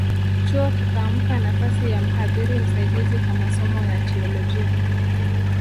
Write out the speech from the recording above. Chuo kikampa nafasi ya mhadhiri msaidizi kwa masomo ya Teolojia